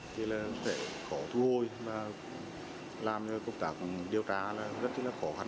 thế là sẽ khó thu hồi và làm cho công tác điều tra rất là khó khăn